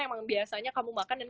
emang biasanya kamu makan dan